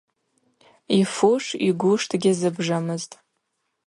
Йфуш, йгуш дгьазыбжамызтӏ.